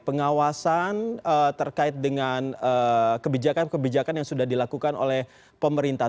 pengawasan terkait dengan kebijakan kebijakan yang sudah dilakukan oleh pemerintah